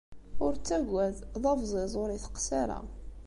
Ur ttagad d abẓiẓ ur iteqqes ara.